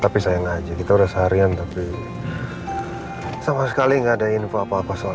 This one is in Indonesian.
tapi sayang aja kita udah seharian tapi sama sekali nggak ada info apa apa soalnya